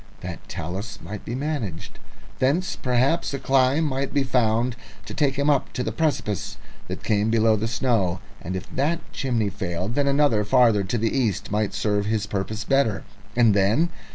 That talus might be managed. Thence perhaps a climb might be found to take him up to the precipice that came below the snow; and if that chimney failed, then another farther to the east might serve his purpose better. And then?